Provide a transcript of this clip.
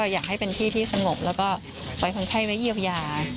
อยากให้เป็นที่ที่สงบแล้วก็ปล่อยคนไข้ไว้เยียวยา